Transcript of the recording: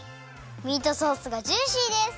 ミートソースがジューシーです！